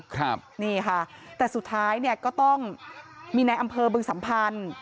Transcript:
ครับนี่ค่ะแต่สุดท้ายเนี่ยก็ต้องมีในอำเภอบึงสัมพันธ์